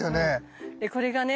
でこれがね